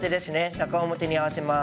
中表に合わせます。